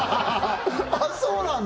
あっそうなんだ